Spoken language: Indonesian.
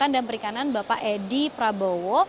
lautan dan perikanan bapak edi prabowo